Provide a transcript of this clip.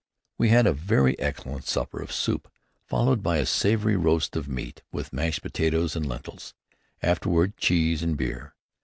We had a very excellent supper of soup, followed by a savory roast of meat, with mashed potatoes and lentils. Afterward, cheese and beer.